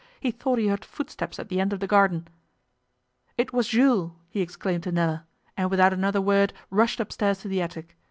He thought he heard footsteps at the end of the garden. 'It was Jules,' he exclaimed to Nella, and without another word rushed upstairs to the attic.